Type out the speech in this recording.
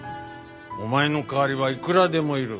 お前の代わりはいくらでもいる。